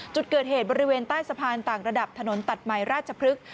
จุดเกิดเหตุบริเวณใต้สะพานต่างระดับถนนตัดใหม่ราชพฤกษ